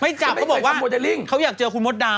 ไม่จับก็บอกว่าเขาอยากเจอคุณมดดำ